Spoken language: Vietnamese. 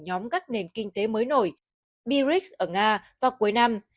nhóm các nền kinh tế mới nổi birics ở nga vào cuối năm